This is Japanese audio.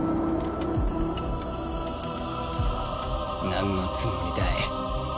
なんのつもりだい？